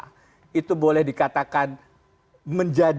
itu sebabnya kami yang dulu hadir di kppk kita bergabung dengan kppk